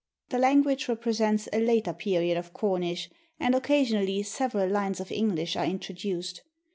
The language represents a later period of Cornish, and occasionally several lines of English are introduced.